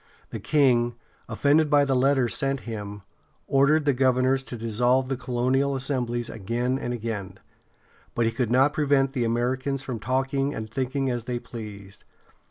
The king, offended by the letters sent him, ordered the governors to dissolve the colonial assemblies again and again; but he could not prevent the Americans from talking and thinking as they pleased.